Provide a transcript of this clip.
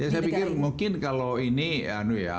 ya saya pikir mungkin kalau ini